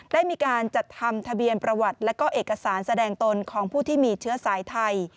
ได้มีการจัดทำทะเบียนประวัติและก็เอกสารแสดงตนของผู้ที่มีเชื้อสายไทย